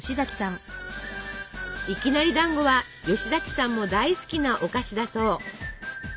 いきなりだんごは吉崎さんも大好きなお菓子だそう。